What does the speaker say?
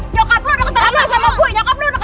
nyokap lo udah ketahuan sama gue